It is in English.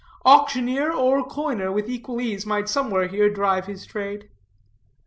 Auctioneer or coiner, with equal ease, might somewhere here drive his trade.